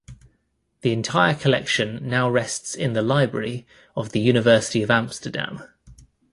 The entire collection now rests in the library of the University of Amsterdam.